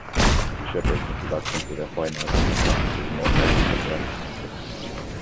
Shepard’s introduction to the fine arts would come through more practical craftsmanship.